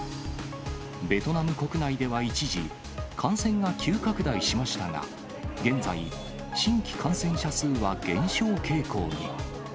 ベトナム国内では一時、感染が急拡大しましたが、現在、新規感染者数は減少傾向に。